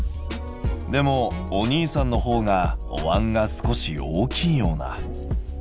でもお兄さんのほうがおわんが少し大きいような。